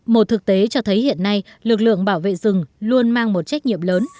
một thực tế cho thấy hiện nay lực lượng bảo vệ rừng luôn mang một trách nhiệm lớn